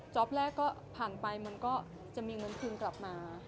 อ๊อปแรกก็ผ่านไปมันก็จะมีเงินทุนกลับมา